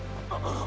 ああ！